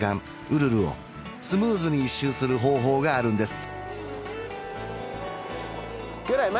ウルルをスムーズに１周する方法があるんです